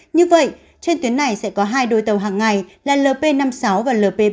như vậy trên tuyến này sẽ có hai đôi tàu hằng ngày là lp năm mươi sáu và lp ba mươi tám